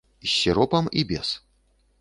З сіропам і без.